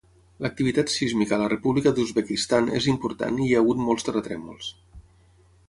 L'activitat sísmica a la República d'Uzbekistan és important i hi ha hagut molts terratrèmols.